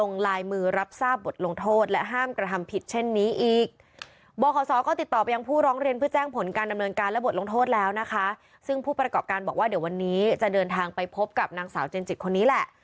การทางไปพบกับนางสาวเจริญจิตคนนี้แหละ